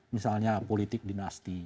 misalnya politik dinasti